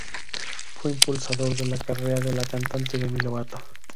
Fue el impulsor de la carrera de la cantante Demi Lovato.